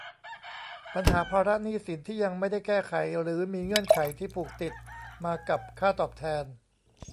ปัญหาภาระหนี้สินที่ยังไม่ได้แก้ไขหรือมีเงื่อนไขที่ผูกติดมากับค่าตอบแทน